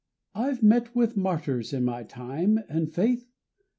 I've met with martyrs in my time, and Faith!